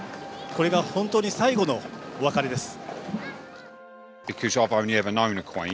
これが本当に最後のお別れです。